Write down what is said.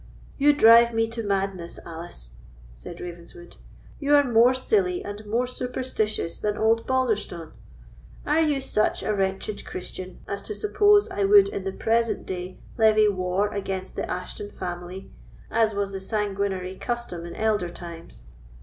"You drive me to madness, Alice," said Ravenswood; "you are more silly and more superstitious than old Balderstone. Are you such a wretched Christian as to suppose I would in the present day levy war against the Ashton family, as was the sanguinary custom in elder times?